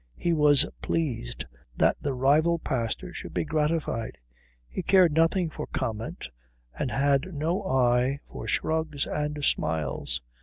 He was pleased that the rival pastor should be gratified. He cared nothing for comment, and had no eye for shrugs and smiles.